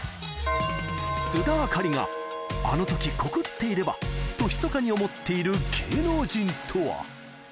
須田亜香里があのとき告っていればと、ひそかに思っている芸能人とは。